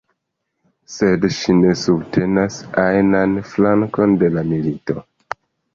Sed ŝi ne subtenas ajnan flankon de la milito.